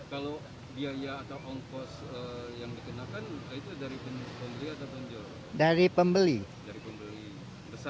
kalau biaya atau ongkos yang dikenakan itu dari pembeli atau penjual